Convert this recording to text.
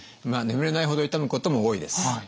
眠れないほど痛むことも多いです。